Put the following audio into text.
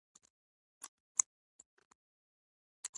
ورته ناورینونه د سمندرونو په ډېرو ټاپوګانو کې پېښ شول.